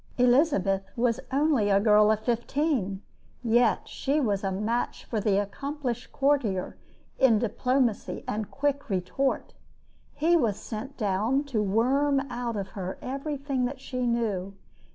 Elizabeth was only a girl of fifteen, yet she was a match for the accomplished courtier in diplomacy and quick retort. He was sent down to worm out of her everything that she knew.